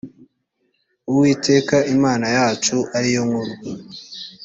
uwiteka imana yacu ari yo nkuru